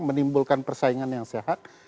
menimbulkan persaingan yang sehat